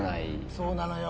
そうなのよ。